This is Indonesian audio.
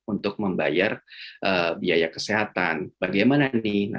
untuk membayar biaya kesehatan bagaimana nih